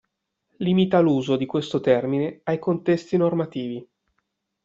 Limita l'uso di questo termine ai contesti normativi.